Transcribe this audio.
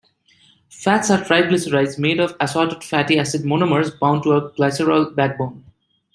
Fats are triglycerides, made of assorted fatty acid monomers bound to a glycerol backbone.